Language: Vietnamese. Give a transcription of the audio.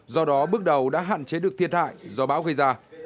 do đó bước đầu đã hạn chế được thiệt hại do bão gây ra